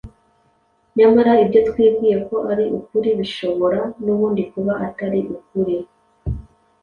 Nyamara ibyo twibwiye ko ari ukuri bishobora n’ubundi kuba atari ukuri.